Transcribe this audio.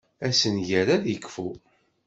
Assenger ad ikfu.